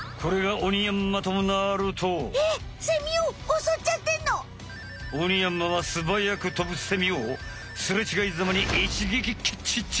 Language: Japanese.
オニヤンマはすばやく飛ぶセミをすれちがいざまにいちげきキャッチッチ。